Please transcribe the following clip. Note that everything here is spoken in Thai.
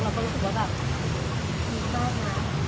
เราก็รู้สึกว่าดีมากนะ